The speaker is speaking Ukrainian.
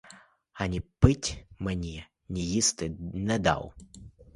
Ані пить мені, ні їсти не дав.